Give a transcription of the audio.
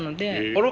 あら？